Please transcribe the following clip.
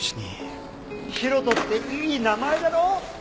「大翔」っていい名前だろ？